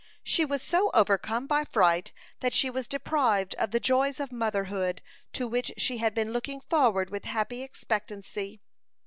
She was so overcome by fright that she was deprived of the joys of motherhood to which she had been looking forward with happy expectancy.